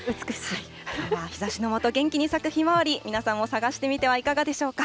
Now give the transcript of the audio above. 日ざしの下、元気に咲くひまわり、皆さんも探してみてはいかがでしょうか。